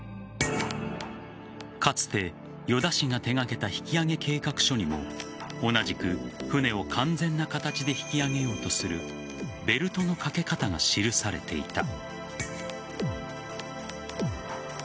かつて依田氏が手がけた引き揚げ計画書にも同じく、船を完全な形で引き揚げようとするベルトの掛け方が記されていた。